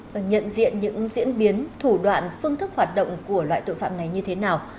vâng nhận diện những diễn biến thủ đoạn phương thức hoạt động của loại tội phạm này như thế nào